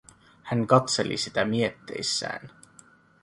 Hän katseli sitä mietteissään.